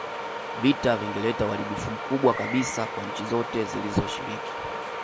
Vita vingeleta uharibifu mkubwa kabisa kwa nchi zote zilizoshiriki